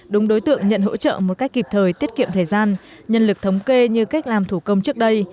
đúng đối tượng nhận hỗ trợ một cách kịp thời tiết kiệm thời gian nhân lực thống kê như cách làm thủ công trước đây